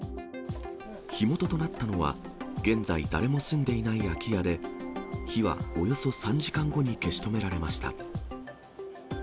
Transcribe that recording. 火元となったのは、現在、誰も住んでいない空き家で、火はおよそ３時間後に消し止められました。